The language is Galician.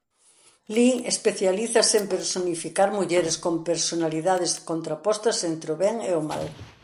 Li especialízase en personificar mulleres con personalidades contrapostas entre o ben e o mal.